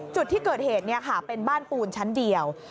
จุดที่เกิดเหตุเป็นบ้านปูนชั้นเดียว